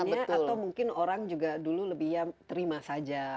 atau mungkin orang juga dulu lebih ya terima saja